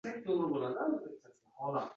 hokimiyat uchun juda xavflidir: